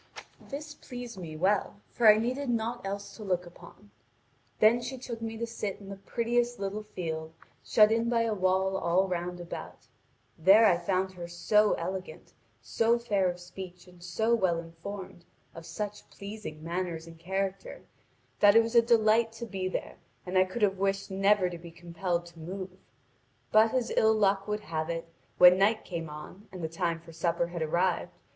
This pleased me well, for I needed naught else to look upon. Then she took me to sit down in the prettiest little field, shut in by a wall all round about. There I found her so elegant, so fair of speech and so well informed, of such pleasing manners and character, that it was a delight to be there, and I could have wished never to be compelled to move. But as ill luck would have it, when night came on, and the time for supper had arrived.